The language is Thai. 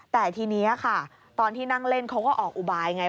แต่ทีนี้ค่ะตอนที่นั่งเล่นเขาก็ออกอุบายไง